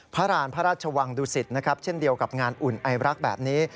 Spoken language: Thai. พระราณพระราชวังดุสิตนะครับเช่นเดียวกับงานอุ่นไอรักแบบนี้